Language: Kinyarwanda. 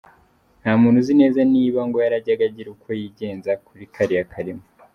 Nta muntu uzi neza niba ngo yarajyaga agira uko yigenza kuri kariya karimo.